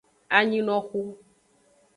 Anyinoxu.